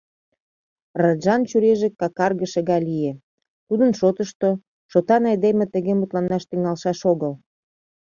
Раджан чурийже какаргыше гай лие: тудын шотышто, шотан айдеме тыге мутланаш тӱҥалшаш огыл.